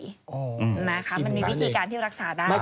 นะคะมันมีวิธีการที่รักษาได้